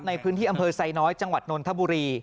ในพื้นที่อำเภอไซน้อยจังหวัดนนทบุรี